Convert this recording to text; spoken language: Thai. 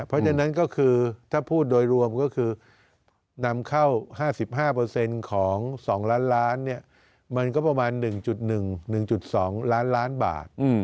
เพราะฉะนั้นก็คือถ้าพูดโดยรวมก็คือนำเข้า๕๕ของ๒ล้านล้านมันก็ประมาณ๑๑๑๒ล้านล้านบาท